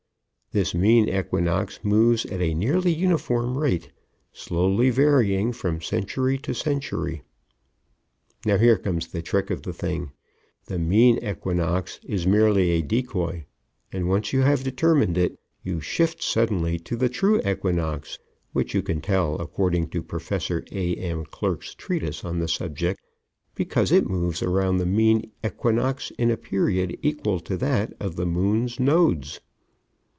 This Mean Equinox moves at a nearly uniform rate, slowly varying from century to century. Now here comes the trick of the thing. The Mean Equinox is merely a decoy, and, once you have determined it, you shift suddenly to the True Equinox which you can tell, according to Professor A.M. Clerk's treatise on the subject, because it moves around the Mean Equinox in a period equal to that of the moon's nodes.